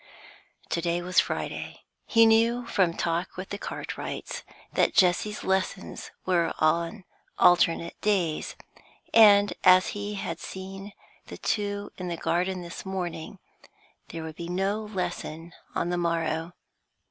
To day was Friday. He knew, from talk with the Cartwrights, that Jessie's lessons were on alternate days, and as he had seen the two in the garden this morning, there would be no lesson on the morrow.